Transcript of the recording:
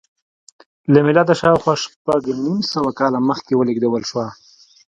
له میلاده شاوخوا شپږ نیم سوه کاله مخکې ولېږدول شوه